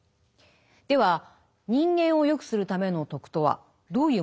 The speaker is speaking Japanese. では人間を善くするための徳とはどういうものなのでしょうか？